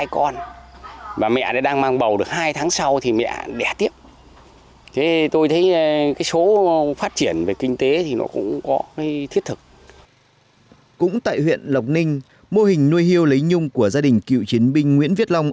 cũng tại huyện lộc ninh mô hình nuôi hiêu lấy nhung của gia đình cựu chiến binh nguyễn viết long